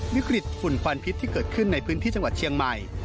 วิกฤตฝุ่นควันพิษที่เกิดขึ้นในพื้นที่จังหวัดเชียงใหม่